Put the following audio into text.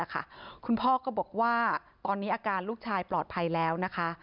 คุณพ่อก็บอกว่าตอนนี้อาการลูกชายปลอดภัยแล้วนะคะ